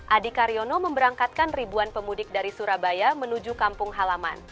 adi karyono memberangkatkan ribuan pemudik dari surabaya menuju kampung halaman